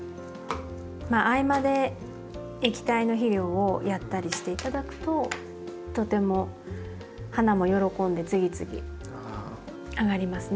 まあ合間で液体の肥料をやったりして頂くととても花も喜んで次々あがりますね。